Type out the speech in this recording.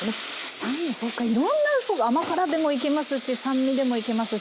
酸味そっかいろんな甘辛でもいけますし酸味でもいけますし。